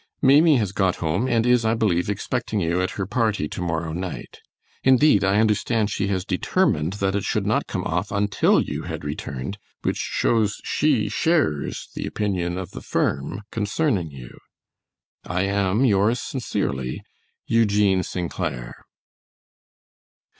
Maimie has got home, and is, I believe, expecting you at her party to morrow night. Indeed, I understand she was determined that it should not come off until you had returned, which shows she shares the opinion of the firm concerning you. I am yours sincerely, EUGENE ST. CLAIR.